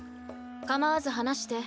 構わず話して。